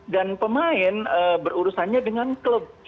dan pemain berurusannya dengan klub